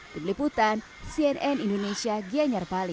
kebeliputan cnn indonesia gianyarbali